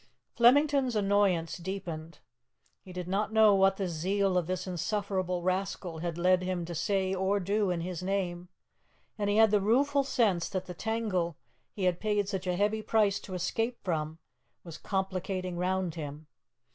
'" Flemington's annoyance deepened. He did not know what the zeal of this insufferable rascal had led him to say or do in his name, and he had the rueful sense that the tangle he had paid such a heavy price to escape from was complicating round him.